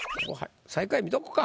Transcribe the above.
最下位見とこか。